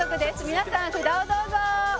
「皆さん札をどうぞ！」